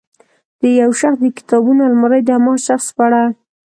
د یو شخص د کتابونو المارۍ د هماغه شخص په اړه.